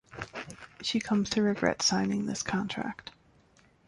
She comes to regret signing this contract.